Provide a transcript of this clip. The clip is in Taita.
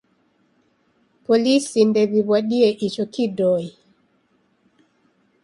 Polisi ndew'iw'adie icho kidoi.